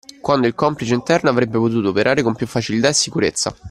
Quando il complice interno avrebbe potuto operare con più facilità e sicurezza.